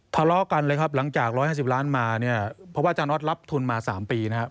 ทะเลาะกันเลยครับหลังจาก๑๕๐ล้านมาเนี่ยเพราะว่าอาจารย์น็อตรับทุนมา๓ปีนะครับ